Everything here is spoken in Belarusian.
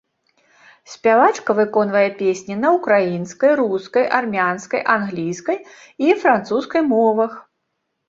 Спявачка выконвае песні на ўкраінскай, рускай, армянскай, англійскай і французскай мовах.